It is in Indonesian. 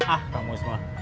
ah kamu semua